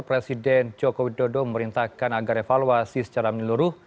presiden joko widodo memerintahkan agar evaluasi secara menyeluruh